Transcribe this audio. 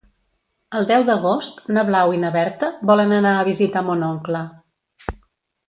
El deu d'agost na Blau i na Berta volen anar a visitar mon oncle.